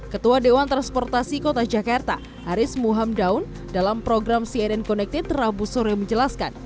ketua dewan transportasi kota jakarta haris muhamdaun dalam program cnn connected rabu sore menjelaskan